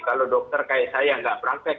kalau dokter kayak saya yang tidak praktek